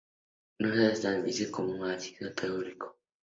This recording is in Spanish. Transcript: No se hace tan fácilmente como el ácido telúrico.